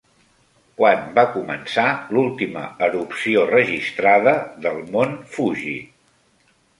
Quan va començar l'última erupció registrada del mont Fuji?